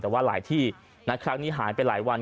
แต่ว่าหลายที่ครั้งนี้หายไปหลายวัน